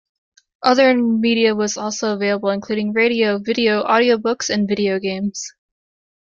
Other media was also available, including radio, video, audio books, and video games.